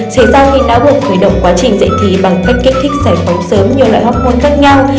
xảy ra khi não buộc khởi động quá trình dạy thi bằng cách kích thích giải phóng sớm nhiều loại hormôn khác nhau